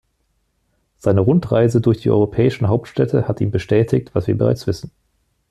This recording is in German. Seine Rundreise durch die europäischen Hauptstädte hat ihm bestätigt, was wir bereits wissen.